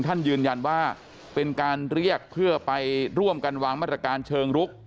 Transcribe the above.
ท่านยืนยันว่าเป็นการเรียกเพื่อไปร่วมกันวางมาตรการเชิงรุก